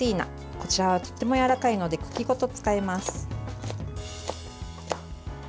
こちらは、とてもやわらかいので茎ごと使います。